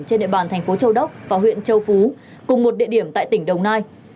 trên địa bàn thành phố châu đốc và huyện châu phú cùng một địa điểm tại tỉnh đồng nai